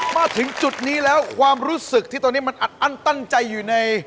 มาถึงจุดนี้แล้วความรู้สึกที่ตอนนี้มันอัดอั้นตั้งใจอยู่ใน